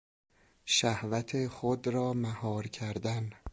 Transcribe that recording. شهوت خود را مهار کردن